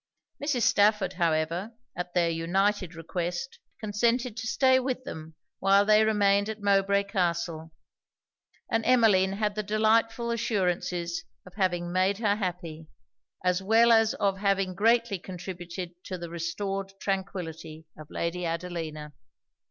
Mrs. Stafford, however, at their united request, consented to stay with them while they remained at Mowbray Castle; and Emmeline had the delightful assurances of having made her happy, as well as of having greatly contributed to the restored tranquillity of Lady Adelina.